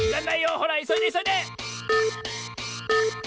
ほらいそいでいそいで！